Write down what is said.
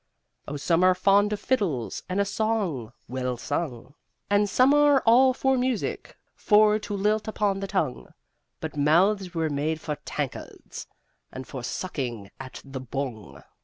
Oh some are fond of fiddles and a song well sung, And some are all for music for to lilt upon the tongue; But mouths were made for tankards, and for sucking at the bung!"